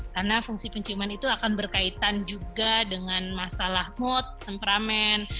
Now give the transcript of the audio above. karena fungsi penciuman itu akan berkaitan juga dengan masalah mood temperamen